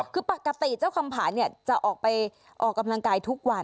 คือปกติเจ้าคำผาเนี่ยจะออกไปออกกำลังกายทุกวัน